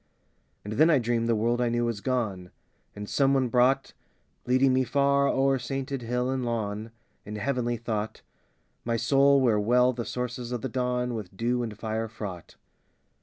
And then I dreamed the world I knew was gone, And some one brought, Leading me far o'er sainted hill and lawn, In heavenly thought, My soul where well the sources of the dawn With dew and fire fraught.